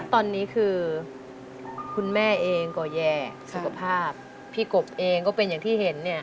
ตอนนี้คือคุณแม่เองก็แย่สุขภาพพี่กบเองก็เป็นอย่างที่เห็นเนี่ย